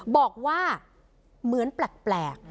บอกว่าเหมือนแปลก